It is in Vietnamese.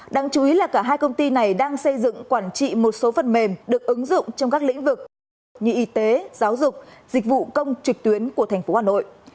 đáng chú ý là cả hai công ty này đang xây dựng quản trị một số phần mềm được ứng dụng trong các lĩnh vực như y tế giáo dục dịch vụ công trực tuyến của tp hà nội